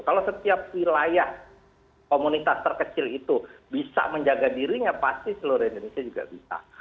kalau setiap wilayah komunitas terkecil itu bisa menjaga dirinya pasti seluruh indonesia juga bisa